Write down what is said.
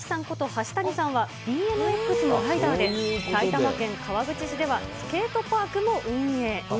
こと橋谷さんは、ＢＭＸのライダーで、埼玉県川口市ではスケートパークも運営。